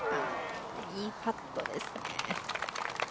いいパットですね。